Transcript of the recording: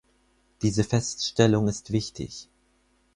Diese Feststellung ist wichtig.